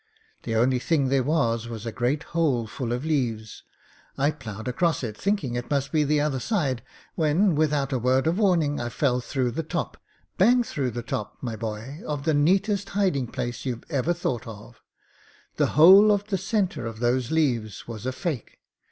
The only thing there was a great hole full of leaves. I ploughed across it, thinking it must be the other side, when, without a word of warning, I fell through the top— bang through the top, my boy, of the neatest hiding place you've ever thought of. The whole of the centre of those leaves was a fake.